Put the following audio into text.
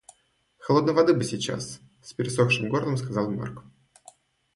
«Холодной воды бы сейчас», — с пересохшим горлом сказал Марк